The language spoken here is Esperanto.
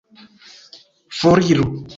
foriru